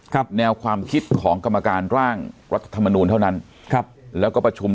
แนวความคิดของกรรมการร่างรัฐธรรมนูลเท่านั้นครับแล้วก็ประชุม